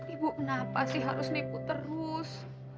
ibu kenapa sih harus nipu terus